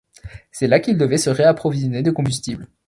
C’est là qu’il devait se réapprovisionner de combustible.